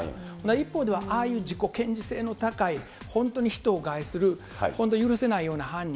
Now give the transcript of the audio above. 一方ではああいう自己顕示性の高い本当に人を害する、本当に許せないような犯人。